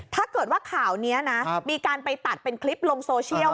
ถ้าเกิดว่าข่าวนี้นะมีการไปตัดเป็นคลิปลงโซเชียล